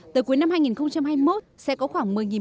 tới cuối năm hai nghìn hai mươi một sẽ có khoảng